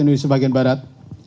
waktu ini di sebagian barat